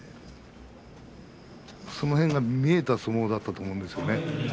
その辺が見えた相撲だったと思うんですね。